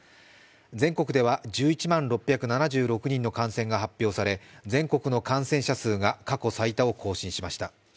全国では１１万６７６人の感染が発表され全国の感染者数が過去最多を更新しました。